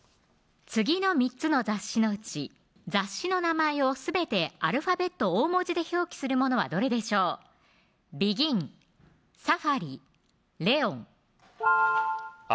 次の３つの雑誌のうち雑誌の名前をすべてアルファベット大文字で表記するものはどれでしょうビギンサファリレオン青